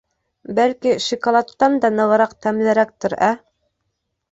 — Бәлки, шикалаттан да нығыраҡ тәмлерәктер, ә!